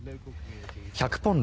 １００ポンド